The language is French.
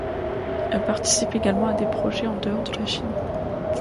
Elle participe également à des projets en dehors de la Chine.